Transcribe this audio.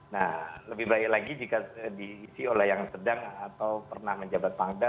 nah lebih baik lagi jika diisi oleh yang sedang atau pernah menjabat pangda